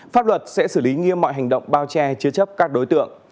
pháp luật sẽ xử lý nghiêm mọi hành động bao che chứa chấp các đối tượng